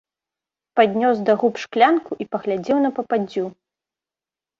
Паднёс да губ шклянку і паглядзеў на пападдзю.